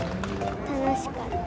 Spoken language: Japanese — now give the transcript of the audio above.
楽しかった。